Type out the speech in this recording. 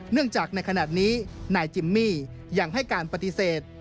เนื่องจากในขณะนี้นายจิมมี่ยังให้การปฏิเสธ